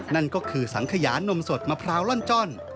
นั่นก็คือสังขยานมสดมะพร้าวล่อนจ้อน